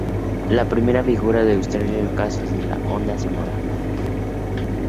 La primera figura ilustra el caso de una onda sonora.